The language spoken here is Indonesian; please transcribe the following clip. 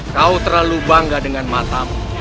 kau terlalu bangga dengan matamu